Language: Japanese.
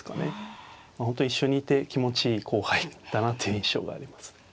本当に一緒にいて気持ちいい後輩だなという印象があります。